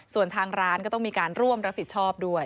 ส่วนทางร้านก็ต้องมีการร่วมรับผิดชอบด้วย